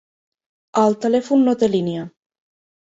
El telèfon no té línia.